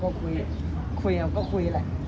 พวกคุยกันก็คุยแหละ